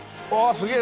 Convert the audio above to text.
すげえ！